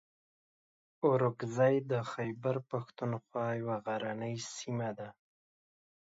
اورکزۍ د خیبر پښتونخوا یوه غرنۍ سیمه ده.